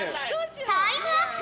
タイムアップ！